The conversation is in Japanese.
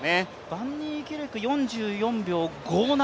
バンニーキルク４４秒５７。